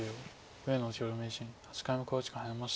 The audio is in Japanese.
上野女流名人８回目の考慮時間に入りました。